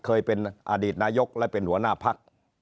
เคยเป็นอดีตนายกและเป็นหัวหน้าพัก